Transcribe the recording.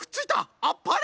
あっぱれ！